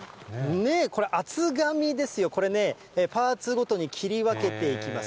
これ、厚紙ですよ、これね、パーツごとに切り分けていきます。